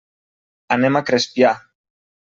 Anem a Crespià.